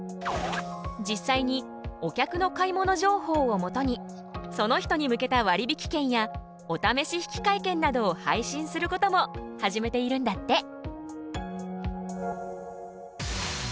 実際にお客の買い物情報をもとにその人に向けた割引券やおためし引換券などを配信することも始めているんだって。